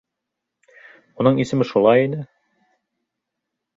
Уның исеме шулай ине!